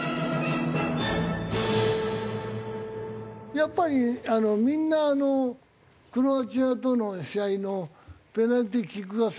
やっぱりみんなあのクロアチアとの試合のペナルティーキック合戦？